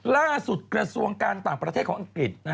กระทรวงการต่างประเทศของอังกฤษ